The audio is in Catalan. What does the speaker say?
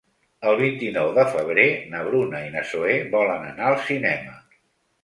El vint-i-nou de febrer na Bruna i na Zoè volen anar al cinema.